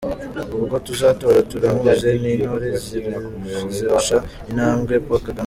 ubwo tuzatora turamuzi, n’intore izirusha intambwe, Paul kagame.